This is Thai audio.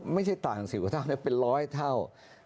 ไม่ใช่ต่างกัน๑๐กว่าเท่าแต่เป็น๑๐๐เท่า